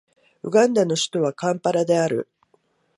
ウガンダの首都はカンパラである